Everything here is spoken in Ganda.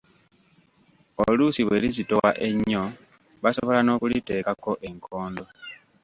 Oluusi bwe lizitowa ennyo basobola n’okuliteekako enkondo.